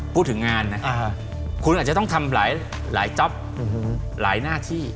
พูดถึงงานนะคุณอาจจะต้องทำหลายจ๊อปหลายหน้าที่